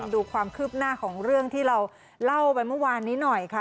ดูความคืบหน้าของเรื่องที่เราเล่าไปเมื่อวานนี้หน่อยค่ะ